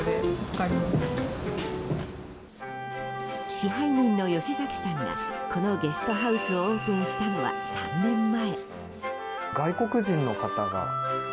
支配人の吉崎さんがこのゲストハウスをオープンしたのは３年前。